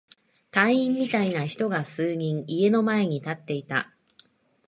隊員みたいな人が数人、家の前に立っていた。